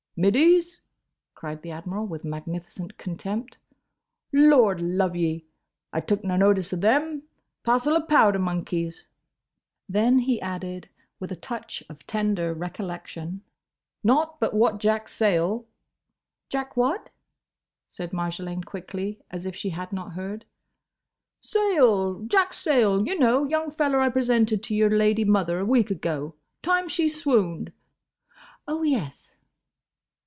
"Middies?" cried the Admiral, with magnificent contempt. "Lord love ye, I took no notice o' them! Passel o' powder monkeys!" Then he added with a touch of tender recollection, "Not but what Jack Sayle—" "Jack what?" said Marjolaine quickly, as if she had not heard. "Sayle. Jack Sayle. You know. Young feller I presented to your lady mother a week ago. Time she swooned—" "Oh, yes."